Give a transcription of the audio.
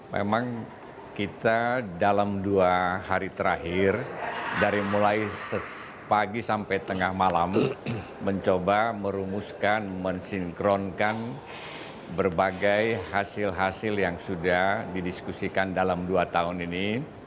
memang kita dalam dua hari terakhir dari mulai pagi sampai tengah malam mencoba merumuskan mensinkronkan berbagai hasil hasil yang sudah didiskusikan dalam dua tahun ini